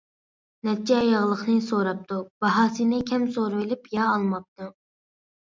نەچچە ياغلىقنى سوراپتۇ، باھاسىنى كەم سورىۋېلىپ يا ئالماپتۇ.